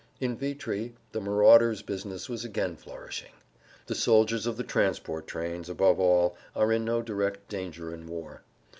In Vitry the marauders' business was again flourishing. The soldiers of the transport trains, above all, are in no direct danger in war.